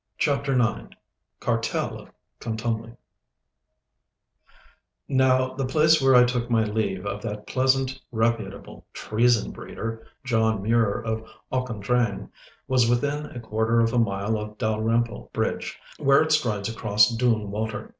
*CHAPTER IX* *CARTEL OF CONTUMELY* Now, the place where I took my leave of that pleasant, reputable treason breeder, John Mure of Auchendrayne, was within a quarter of a mile of Dalrymple Bridge, where it strides across Doon Water.